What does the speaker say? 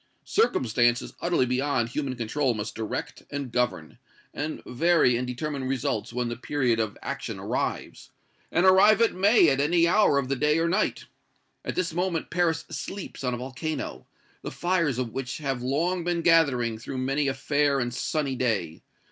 Circumstances utterly beyond human control must direct and govern, and vary and determine results when the period of action arrives; and arrive it may at any hour of the day or night. At this moment Paris sleeps on a volcano, the fires of which have long been gathering through many a fair and sunny day!